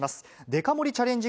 デカ盛りチャレンジ